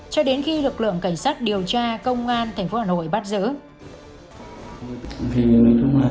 cho đến khi lực lượng cảnh sát điều tra công an thành phố hà nội bắt giỡn